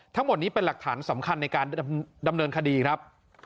ทั้งหมดนี้เป็นหลักฐานสำคัญในการดำเนินคดีครับ